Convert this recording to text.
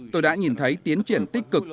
tôi đã nhìn thấy tiến triển tích cực